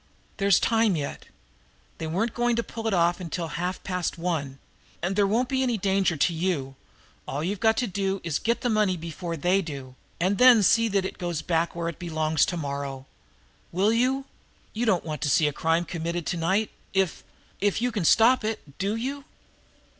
There's time yet. They weren't going to pull it until halfpast one and there won't be any danger for you. All you've got to do is get the money before they do, and then see that it goes back where it belongs to morrow. Will you? You don't want to see a crime committed to night if if you can stop it, do you?"